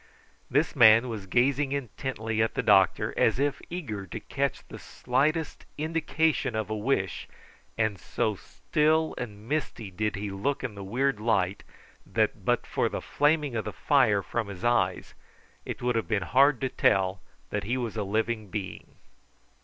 This man was gazing intently at the doctor, as if eager to catch the slightest indication of a wish, and so still and misty did he look in the weird light that but for the flaming of the fire from his eyes it would have been hard to tell that he was a living being.